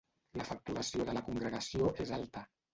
La facturació de la congregació és alta.